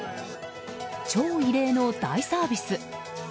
超異例の大サービス。